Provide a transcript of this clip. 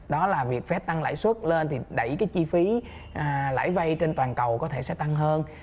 đó là việc phép tăng lãi suất lên thì đẩy cái chi phí lãi vay trên toàn cầu có thể sẽ tăng hơn